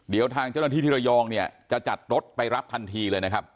เดี๋ยวทางเจ้าหน้าที่ที่ระยองเนี่ยจะจัดรถไปรับทันทีเลยนะครับ